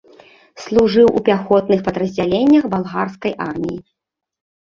Служыў у пяхотных падраздзяленнях балгарскай арміі.